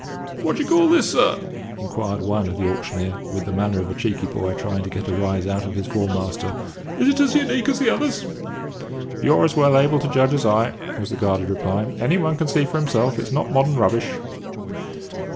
"What do you call this, sir?" inquired one of the auctioneer, with the manner of a cheeky boy trying to get a rise out of his form master. "Is it as 'unique' as the others?" "You're as well able to judge as I am," was the guarded reply. "Any one can see for himself it's not modern rubbish."